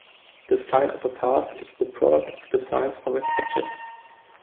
The sign of a path is the product of the signs of its edges.